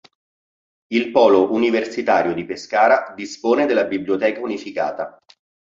Il polo universitario di Pescara dispone della Biblioteca Unificata.